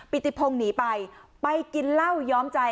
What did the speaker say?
ติพงศ์หนีไปไปกินเหล้าย้อมใจ